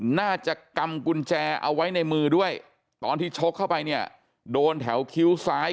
น่าจะกำกุญแจเอาไว้ในมือด้วยตอนที่ชกเข้าไปเนี่ยโดนแถวคิ้วซ้าย